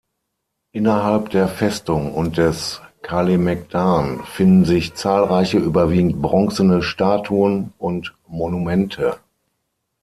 Innerhalb der Festung und des Kalemegdan finden sich zahlreiche überwiegend bronzene Statuen und Monumente.